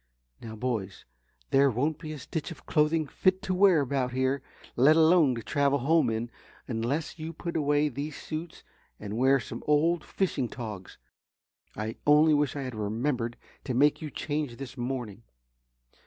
Now, boys there won't be a stitch of clothing fit to wear about here, let alone to travel home in, unless you put away these suits and wear some old fishing togs. I only wish I had remembered to make you change this morning.